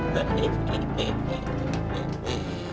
udah udah udah udah